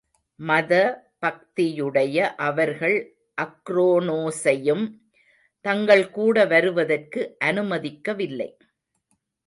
மத பக்தியுடைய அவர்கள் அக்ரோனோஸையும் தங்கள் கூட வருவதற்கு அனுமதிக்கவில்லை.